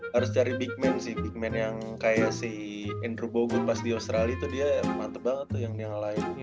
harus cari big man sih big man yang kayak si andrew bogut pas di australia tuh dia mantep banget tuh yang nge lai